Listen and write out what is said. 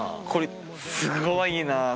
これすごいな。